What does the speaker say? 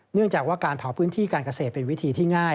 เนื่องจากว่าการเผาพื้นที่การเกษตรเป็นวิธีที่ง่าย